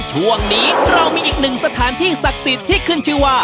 ช่วงนี้เรามีอีกหนึ่งสถานที่ศักดิ์สิทธิ์ที่ขึ้นชื่อว่า